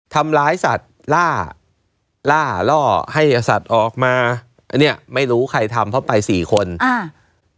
ทำร้ายสัตว์ล่าล่าล่อให้สัตว์ออกมาอันเนี้ยไม่รู้ใครทำเพราะไปสี่คนอ่า